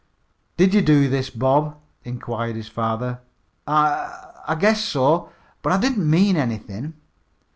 "Did you do this, Bob?" inquired his father. "I I guess so, but I didn't mean anything."